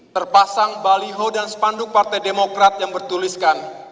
terpasang baliho dan spanduk partai demokrat yang bertuliskan